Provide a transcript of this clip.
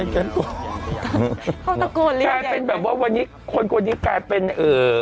เขาตะโกนเลยกลายเป็นแบบว่าวันนี้คนคนนี้กลายเป็นเอ่อ